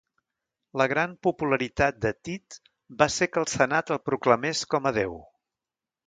La gran popularitat de Tit va fer que el Senat el proclamés com a déu.